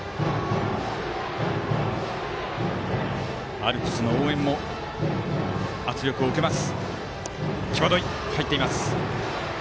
アルプスの応援からも圧力を受けます。